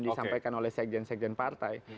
disampaikan oleh sekjen sekjen partai